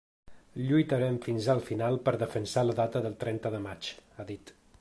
“Lluitarem fins el final per defensar la data del trenta de maig”, ha dit.